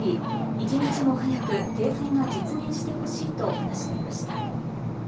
一日も早く停戦が実現して欲しいと話していました。